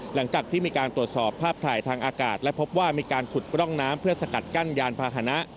หลังจากที่มีการตรวจสอบภาพถ่ายทางอากาศและพบว่ามีการขุดร่องน้ำเพื่อสกัดกั้นยานพาหนะ